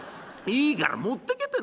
いいから持ってけってんだよ。